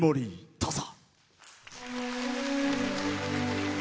どうぞ。